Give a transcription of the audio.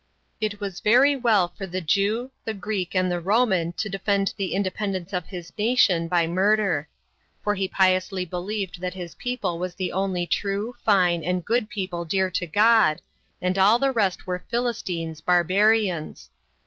It was very well for the Jew, the Greek, and the Roman to defend the independence of his nation by murder. For he piously believed that his people was the only true, fine, and good people dear to God, and all the rest were Philistines, barbarians.